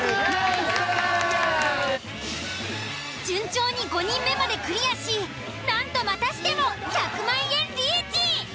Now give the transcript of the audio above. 順調に５人目までクリアしなんとまたしても１００万円リーチ！